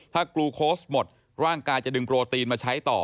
ถ้ากลูโค้ชหมดร่างกายจะดึงโปรตีนมาใช้ต่อ